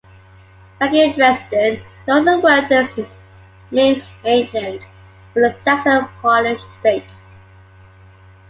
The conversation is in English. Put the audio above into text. Back in Dresden, he also worked as a mint agent for the Saxon-and-Polish state.